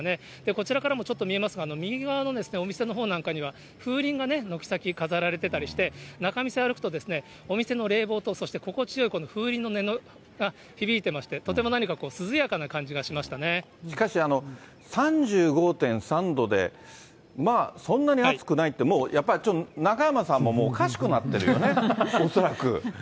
こちらからもちょっと見えますが、右側のお店のほうなんかには、風鈴がね、軒先、飾られたりしてて、仲見世歩くと、お店の冷房とそして心地よい風鈴の音が響いてまして、とても何かしかし、３５．３度でまあ、そんなに暑くないって、やっぱりちょっと中山さんもおかしくなってるよね、恐らく。